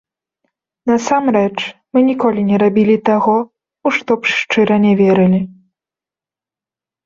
Насамрэч, мы ніколі не рабілі таго, у што б шчыра не верылі.